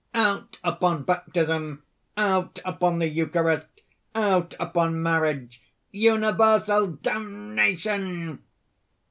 "Out upon baptism! out upon the Eucharist! out upon marriage! universal damnation!"